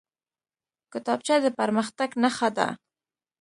کتابچه د پرمختګ نښه ده